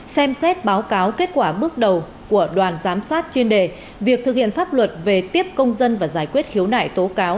xem xét báo cáo kết quả bước đầu của đoàn giám sát chuyên đề việc thực hiện pháp luật về tiếp công dân và giải quyết khiếu nại tố cáo